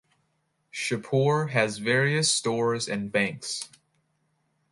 Shahpur has various stores and banks.